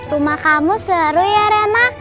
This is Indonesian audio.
rumah kamu seru ya rena